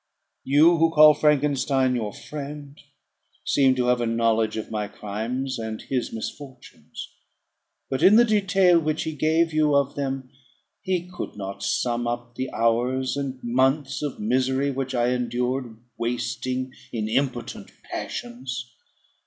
"You, who call Frankenstein your friend, seem to have a knowledge of my crimes and his misfortunes. But, in the detail which he gave you of them, he could not sum up the hours and months of misery which I endured, wasting in impotent passions.